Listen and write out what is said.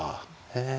へえ。